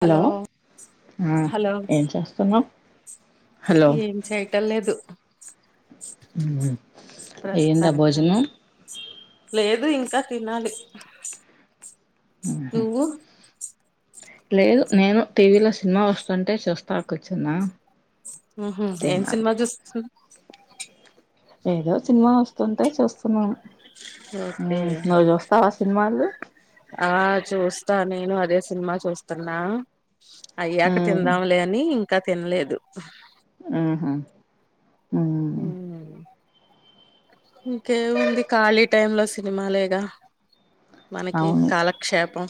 Hello ఆ hello ఏం చేస్తున్నావ్ హలో ఏం చేయట లేదు ఉమ్ అయ్యిందా ప్రస్తుతానికి భోజనం కల్లా లేదు ఇంకా తినాలి నువ్వు లేదు నేను టీవీలో సినిమా వస్తుంటే చూస్తా కూర్చున్నా ఉహు ఏం సినిమా తినాలి చూస్తూ ఏదో సినిమా వస్తుంటే చూస్తున్నాను ఓకే ఉమ్ నువ్వు చుస్తావా సినిమాలు ఆ చూస్తా నేను అదే సినిమా చూస్తున్నా అయ్యాక మ్మ్ తిందాంలే అని ఇంకా తినలేదు ఉహు ఉమ్ ఇంకేముంది ఖాళీ టైమ్ లో సినిమాలేగా మనకి కాలక్షేపం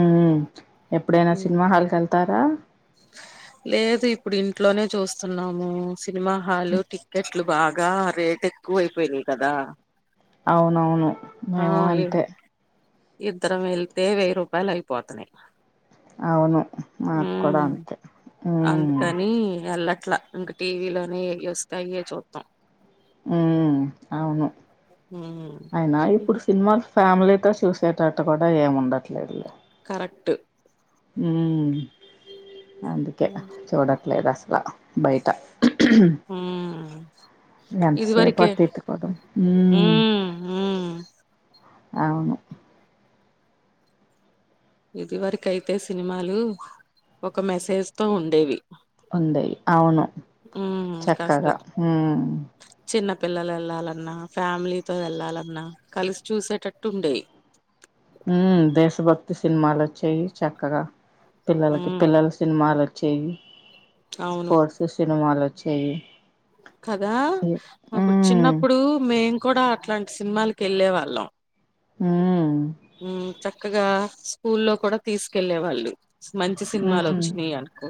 ఉ ఎప్పుడైనా సినిమా హాల్కి వెళ్తారా లేదు ఇప్పుడు ఇంట్లోనే చూస్తన్నాము సినిమా హల్ టిక్కెట్ ట్లు బాగా రేట్ ఎక్కువ అయిపోయినియి కదా అవునవును ఆ మేము అంతే ఇద్దరం వేళ్తే వెయ్యి రూపాయలు అయిపోతున్నయి అవును మాకు కూడా అంతే మ్మ్ అందుకని ఎల్లట్లా ఇంక టీవీలోనే ఏయ్ వస్తే అయ్యే చూత్తం ఉ అవును ఉమ్ ఆయన ఇప్పుడు సినిమాలు ఫ్యామిలీతో చూసేటట్టు కూడా ఏమి ఉండట్లేదులే కరెక్ట్ అందుకే చూడట్లేదు అసలు బయట హ ఎంతసేపాతట్కోద ఉమ్ ఉమ్ అవును ఇది వరకు అయితే సినిమాలు ఒక మెసేజ్ తో ఉండేవి ఉందియి అవును ఉమ్ కాస్త చక్కగా హ చిన్న పిల్లలు వెళ్లాలన్నా ఫ్యామిలీతో వెళ్లాలన్నా కలిసి చూసేటట్టు ఉండేవి ఉ దేశభక్తి సినిమాలు వచ్చాయి చక్కగా పిల్లలకి ఉమ్ పిల్లల సినిమాలు వచ్చయి అవును స్పోర్ట్స్ సినిమాలు వచ్చేయి కదా అప్పుడు చిన్నప్పుడు మేము కూడా అట్లాంటి సినిమాలకు వెళ్ళే వాళ్ళం ఉమ్ మ్ చక్కగా స్కూల్లో కూడా తీసుకెళ్లే వాళ్ళు మంచి సినిమాలు ఉమ్ వచ్చినాయి అనుకో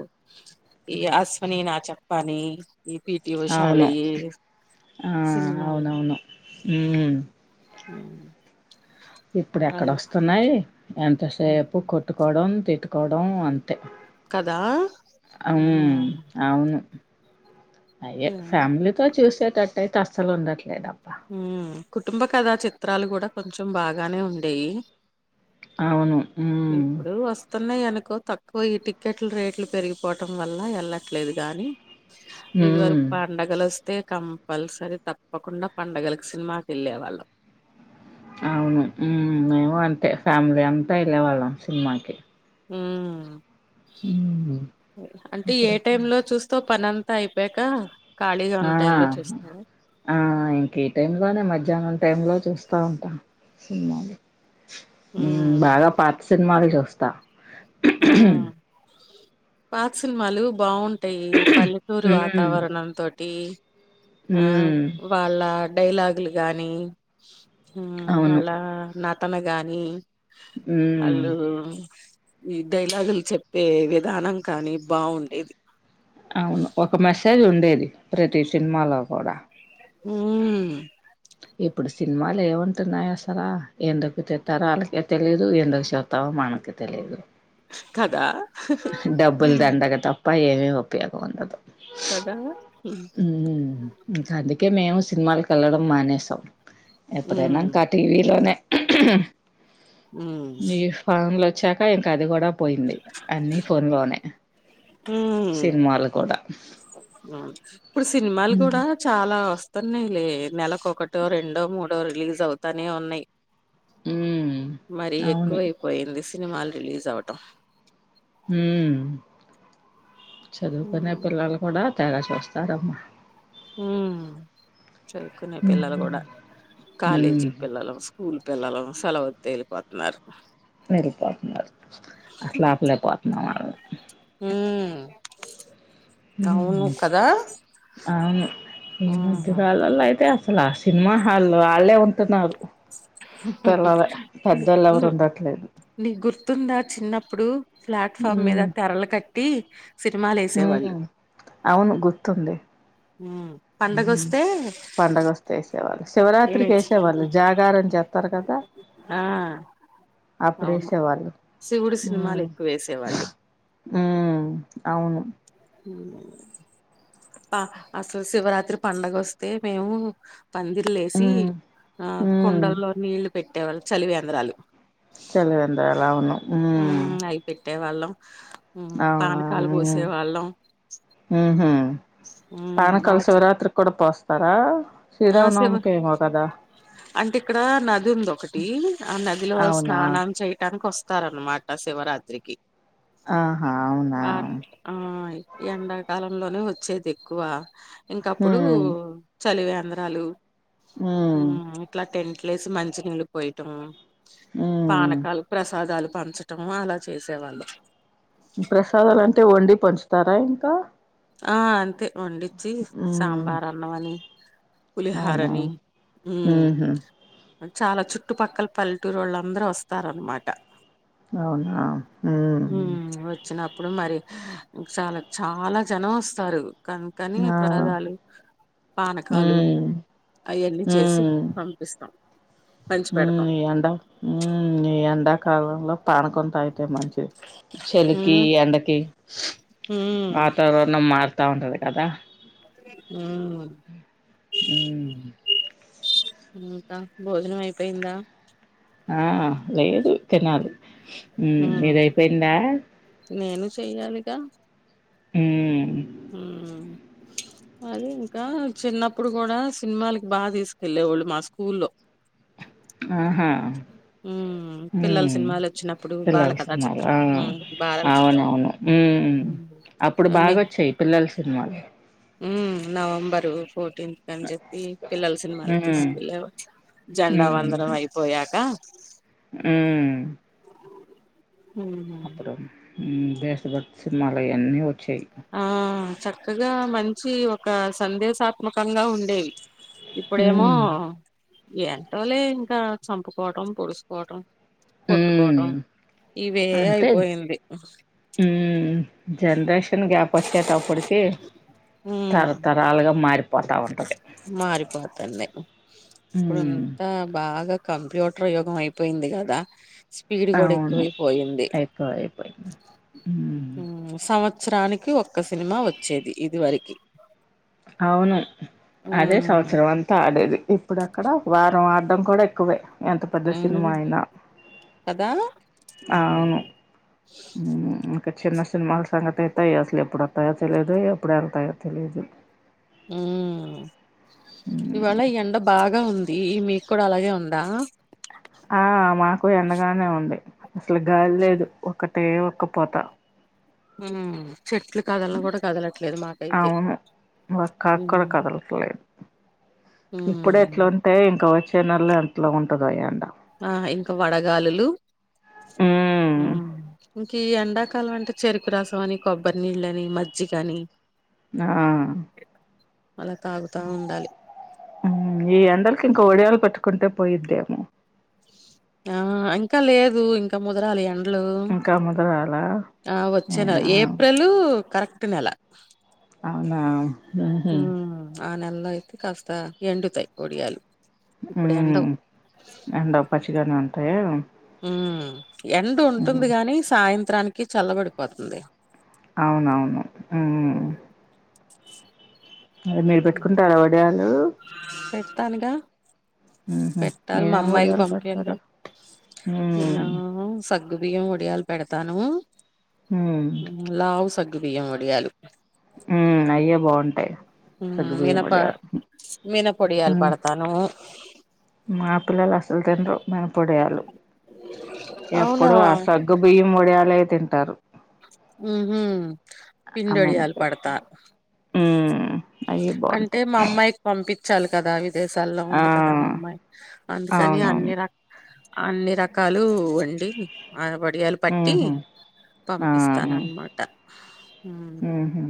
ఈ అశ్వని నా చెప్పని పిటి అవును ఉషాలయి ఆ సినిమాలు అవునవును ఉ ఉ ఇప్పుడు ఎక్కడ వస్తున్నాయి ఉమ్, ఎంతసేపు కొట్టుకోవడం తిట్టుకోవడం అంత తె కదా అ అవును అయ్యే ఫ్యామిలీతో చూసేటట్ట అయితే అస్సలు ఉండట్లేదు ఉ కుటుంబ కథా చిత్రాలు కూడా కొంచెం బాగానే ఉండేవి అవును ఉ ఉన్నాయయి అనుకో తక్కువ ఈ టిక్కెట్లు రేట్లు పెరిగిపోవటం వల్ల వెళ్ళట్లేదు గాని ఇది వరకు ఉమ్ పండగలు వస్తే కంపల్సరీ తప్పకుండా పండుగలకు సినిమాకి వెళ్ళేవాళ్ళం అవును మేము అంతే ఫ్యామిలీ అంతా వెళ్ళే వాళ్ళం సినిమాకి ఉమ్ అంటే ఏ ఇప్పుడు టైమ్ లో చూస్తవ్ పనంత అయిపోకా ఆ ఆ ఇంకే టైమ్ లోనే మధ్యాహ్నం టైమ్ లో చూస్తా ఉంటా సినిమాలు హ్మ్ బాగా పాత సినిమాలు చూస్తా పాక్ సినిమాలు బాగుంటాయి పల్లెటురు ఉమ్ వాతావరణం తోటి ఆ ఉమ్ వాళ్ళ డైలాగులు గాని అవును వాళ్ళ నాటన గాని ఉమ్ వాళ్ళు ఈ డైలాగులు చెప్పే విధానం కానీ బావుండేది అవును ఒక మెసేజ్ ఉండేది ప్రతి సినిమాలో కూడా ఊ ఇప్పుడు సినిమాలు ఏమంటున్నాయ అసరా ఏందొకు తెతార వాళ్కే తెలిదు ఏందోకు చతాం మనకు తెలిదు కదా డబ్బులు దండగా తప్ప ఏమి ఉపయోగం ఉండదు కదా ఉమ్ ఇంకా అందుకే మేము సినిమాలకు వెళ్ళడం మానేసాం ఎప్పుడైనా హ్మ్ ఇంకా టీవీలోనే హ్మ్ ఈ ఫోన్లు వచ్చాక ఇంకా అది కూడా పోయింది అన్నీ ఫోన్ లోనే హ్మ్ సినిమలు కూడా ఇప్పుడు సినిమాలు ఉమ్ కూడా చాలా వస్తున్నాయి లే నెలకు ఒకటో రెండో మూడొ సో రిలీజ్ అవుతానే ఉన్నాయి ఉమ్ మరి అవును ఎక్కువయిపోయింది సినిమాలు రిలీస్ ఆవటం హ చదువుకునే ఉమ్ కుర్రాళ్ళు కూడా తగా చూస్తారమ్మ. ఉమ్, చదుకునే పిల్లలు గుడా, ఉమ్ కాలేజీ పిల్లలు, స్కూల్ పిల్లలు, సెలవిత్తే ఎల్లిపోతున్నారు. ఎళ్ళిపోతున్నారు. అసల్ ఆపలేకపోతున్నాం ఆళ్ళని. హుమ్మ్. ఉమ్ అవును. ఈ ఆహా మధ్యకాలంలో అయితే అస ల, ఆ సినిమా హాల్లో ఆళ్లేే ఉంటున్నారు. పిల్లలే పెద్దోళ్ళు ఎవరు ఉండట్లేదు. నీక్ గుర్తుందా చిన్నప్పుడు, ప్లాట్ఫామ్ మీద తెరలు కట్టి. సినిమాలు ఉ వేసేవాళ్ళు ఉ అవును గుర్తుంది. పండగొస్తే పండుగస్తే ఏసేవాళ్ళు, శివరాత్రికి ఏసేవాళ్ళు. జాగారం జెత్తారు కదా. ఆ అవును అప్పుడేసే వాళ్ళు. శివుడు సినిమాలు ఎక్కువ వేసేవాళ్ళు ఉమ్మ్ అవును. హుమ్మ్. ఆ అసల్ శివరాత్రి పండగోస్తే మేము. పందిర్లేసి ఉమ్ ఆ ఉమ్ కొండల్లో నీళ్లు పెట్టేవాళ్ళు, చలివేంద్రాలు. చలివేంద్రాల్ అవును. ఉమ్ ఉమ్మ్ అయి పెట్టే వాళ్ళం. అవునా ఉమ్, ఉహుమ్. ఉమ్, పానకాలు బాగా చే- శివరాత్రి కూడా పోస్తారా? ఆ శివ శ్రీరామనవమి ఏమో కదా. అంటే ఇక్కడ నది ఉంద్ ఒకటి, ఆ నదిలో అవునా స్నానం చేయటానికి ఓస్త్. స్తారన్నమాట శివరాత్రికి. ఆహా అవునా ఆక్ ఆ ఎండాకాలం. లోనే వచ్చేది ఎక్కువ. ఇంకప్పుడు ఉమ్ చలివేంద్రాలు, ఉమ్, ఇట్లా టెంట్ లేసి, మంచి నీళ్ళు పోయటం. ఉమ్ పానకాల్, ప్రసాదాలు పంచటము అలా చేసేవాళ్ళు. ప్రసాదాలాంటే, వండి పంచుతారా ఇంకా. ఆ అంతే వండిచ్చి, ఉమ్ సాంబార్ అన్నం అని, అవునా పులిహారని ఉమ్. ఉహు చాలా చుట్టుపక్కల పల్లెటూర్ వాళ్ళఅందరు వస్తారనమాట. అవునా ఉమ్మ్. ఇప్పుడు మరి చాలా, చాలా జనం ఓస్తారు. కన్ కనీ ఆ ప్రదాలు, పానకాలు. ఉమ్ అయ్యాన్నీ చేసి ఉమ్ పంపిస్తాం. పంచి ఉమ్ పెడతాం ఈ ఎండా, ఉమ్ ఈ ఎండాకాలంలో పానకం తాగిత్, తా మంచిది. చెలికి, మ్మ్ ఎండకి మ్మ్ వాతావరణం మార్, [unintelligible] కదా. ఉమ్మ్. ఉమ్మ్. ఇంకా, భోజనం అయిపోయిందా. ఆ లేదు, తినాలి. ఉమ్ మీదైపోయిందా. చేయాలిగా. ఉమ్మ్. హుమ్మ్. అదే ఇంకా, చిన్నప్పుడు గుడా సినిమాలకి బా తీసుకెళ్ళే వాళ్ళు మా స్కూల్లో. ఆహా. ఉమ్ పిల్లల హ్మ్ సినిమాలు లచ్చినప్పుడు, బాల పిల్లల కథా సినిమాలు చిత్రం, ఆ ఉమ్ బాలల చిత్రం. అవునవును. హ్మ్ అండి అప్పుడు బాగాొచ్చాయ్ పిల్లల సినిమాలు హుం నవంబరు ఫో టిన్త్ కని చెప్పి పిల్లల్ సినిమాలకి హ్మ్. తీసుకెళ్ళవల్ జెండా వందరం హ్మ్. అయిపోయాక హ్మ్. అ హ హుమ్ దేశభక్తి సినింమాలయన్నీ ఒచ్చేయ్ ఆ చక్కగా మంచి ఒక సందేశాత్మకంగా ఉండేవి ఇప్పుడేమో హ్మ్. ఎంటోలే ఇంకా చంపుకోవటం పొడుసుకోవటం హ్మ్. కొట్టుకోవడం ఇవే అంతే అయిపోయింది హ్మ్ జనరేషన్ గ్యాప్ వచ్చేటప్పటికి తరతరాలుగా మారిపో మారిపోతున్నాయ్ ఇప్పుడు హ్మ్ అంతా బాగా కంప్యూటర్ యోగం అయిపోయింది కదా స్పీడ్ కూడా అవును. ఎక్కువై పోయింది ఎక్కువ అయిపోయింది హుమ్ సంవత్సరానికి ఒక్క సినిమా వచ్చేది ఇది వరకి అవును అదే ఉమ్ సంవత్సరం అంతా ఆడేది ఇప్పుడు అక్కడ వారం ఆడ డం కూడా ఎక్కువే ఎంత పెద్ద సినిమా ఉమ్ అయినా కదా ఉమ్ అవును హుమ్ ఇంకా చిన్న సినిమాల సంగతైతే అసలు ఎప్పుడోత్తయో తేలీదు ఎప్పుడు వెల్తాయో తెలీదు హుమ్ ఇవాళ ఎండాబా గా ఉంది మీకు కూడా అలాగే ఉందా ఆ మాకు ఎండగానే ఉంది అసలు గాలి ఉమ్ లేదు ఒక టే ఉక్కపోత మ్ చెట్లు కదలను కూడా కదలట్లేదు మాకైతే అవును ఇప్పుడే ఉమ్ ఇట్లుంటే ఇంకా వచ్చే నెలలో ఎట్ల ఉంటదో ఎండ ఆ ఇంకా వడగాలులు ఉమ్ అ కి ఎండాకాలం అంటే చెరుకు రసం అని కొబ్బరి నీళ్ళని మజ్జిగాని ఆ అలా తాగుతా ఉండాలి ఈ ఎండలకి ఇంకా ఒడియాలు పట్టుకుంటే పోయిద్దేమొ ఆ ఇంకా లేదు ఇంకా ముదరాలి ఎం లు ఇంకా ముదరాలా ఆ వచ్చే నెల ఏప్రిల్ కరెక్ట్ నెల అవునా ఉహు హుమ్ ఆ నెళ్ళో అయితే కాస్త ఎండుతాయ్ ఓడియాలు హుమ్ ఎండక్ పచ్చిగానే ఉంటాయా ఉమ్ ఎండ ఉంటుంది హ్మ్ గాని సాయంత్రానికి చల్లబడిపోతుంది అవునవును హుమ్ అదే మీరు పెట్టుకుంటార వడియాలు తనిగా ఉహు పెట్టాలీ మా ఏమేమి అమ్మాయికి వడియాలు పంపియాలీ గా పెడతారు నా హ్మ్ స సగ్గు బియ్యం ఒడియాలు పెడతాను హ్మ్ లావు సగ్గు బియ్యం ఒడియాలు హుమ్ అయ్యే బాగుంటాయ్ హుమ్ మీనప మీనాపొడియాలు హ్మ్ పడతను మా పిల్లలు అసలు తినరు మీనపొడియాలు అవునా ఎప్పుడు ఆ సగ్గు బియ్యం ఒడియాలే తింటారు మ్ హు పింటొడియలు పడుతా హుమ్ అంటే మా అమ్మాయికి పంపి చాలి కదా విదేశాల్లో ఆ ఉంది కదా మా అమ్మాయి అందుకని అవునవును అన్ని రక అన్ని రకాలు వండి ఆ వడియాలు పట్టి ఉహు ఆ పంపిస్తానన్నమాట హ ఉహు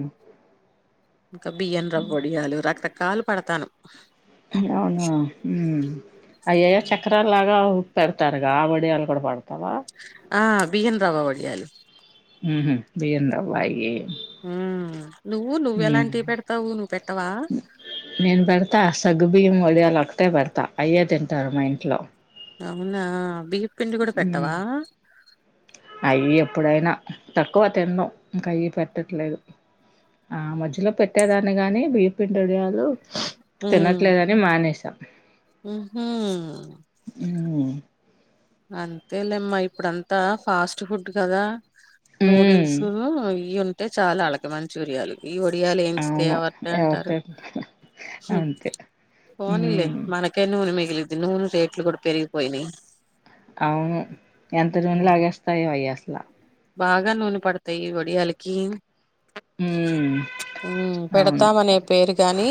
ఇంకా బియ్యం రవ్వబొడియాలు రకరకాలు పడతాను అవునా అయ హ్మ్. చక్రా లాగా పెడతానుగాబడియాలు కూడా పడతావా ఆ బియ్యం రవ్వ వడిియాలు ఉ బియ్యం రవ్వ అయ్యి ఉ నువ్వు నువ్వెలాంటివి పెడతావు నువ్వు పెట్టవా నేను భడతా సగ్గుబియ్యం ఒడియాలు ఒకటే బడతా అయ్యే తింటారు మా ఇంట్లో అవునా బీఫ్పిిండి కూడా హ్మ్ పెట్టవా అప్పుడైనా తక్కువ తినడం ఇంకా అయ్య పెట్టట్లేదు ఆ మధ్యలో పెట్టేదాన్ని గాని బియ్య పిండిడియాలు తినట్లేదని మానేసాం హ ఉ అంతే లేమ్మ ఇప్పుడంతా ఫాస్ట్ ఫుడ్ కదా హ్మ్. నూడిల్స్ ఇవి ఉంటే చాలా అలక మంచూరియాల ఈ ఒడియాలు ఏంచిా అవును. అ వర్తే అంటారు ఎవరితోటి అంతే. పోనీల్లే హ్మ్. మనకే నూనె మిగిలిది నూనె రేట్లు కూడా పెరిగిపోయినాయి అవును ఎంతరిని గేస్తాయి వై్యాస్లా బాగా నూనె పడతాయి వడియాలకి హ్మ్. హ అవును. పెడతామనే పేరు గాని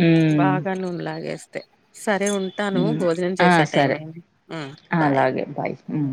హ్మ్. బాగా నూన్లాగేస్తే సరే ఉంటాను హ్మ్. భోజనం ఆ! చేసే సరే. టైమే బాయ్ అలాగే. బాయ్. హ్మ్.